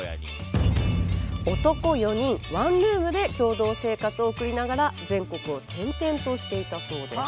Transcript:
男４人ワンルームで共同生活を送りながら全国を転々としていたそうです。